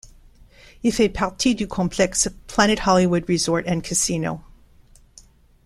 Il fait partie du complexe Planet Hollywood Resort and Casino.